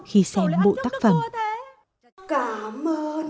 hãy xem bộ tác phẩm